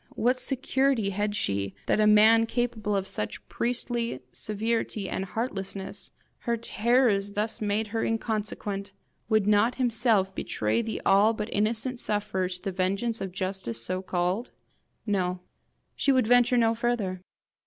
what security had she that a man capable of such priestly seveirity and heartlessness her terrors made her thus inconsequent would not himself betray the all but innocent sufferer to the vengeance of justice so called? No; she would venture no farther.